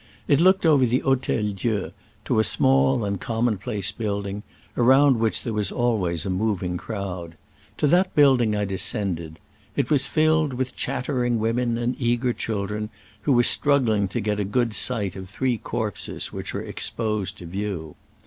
It looked over the Hotel Dieu to a small and commonplace building, around which there was always a mov ing crowd. To that building I descend ed. It was filled with chattering women and eager children, who were strug gling to get a good sight of three corpses which were exposed to view.